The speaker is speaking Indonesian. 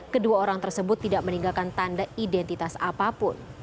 kedua orang tersebut tidak meninggalkan tanda identitas apapun